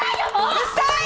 うるさい！